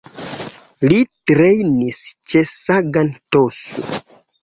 Li trejnis ĉe Sagan Tosu.